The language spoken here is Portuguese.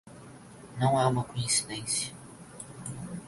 Não é uma coincidência